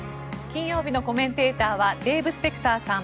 金曜日のコメンテーターはデーブ・スペクターさん